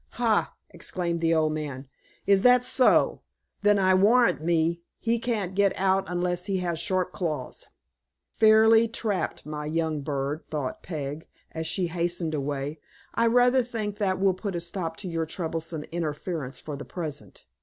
"Ha!" exclaimed the old man; "is that so? Then, I warrant me, he can't get out unless he has sharp claws." "Fairly trapped, my young bird," thought Peg, as she hastened away; "I rather think that will put a stop to your troublesome interference for the present.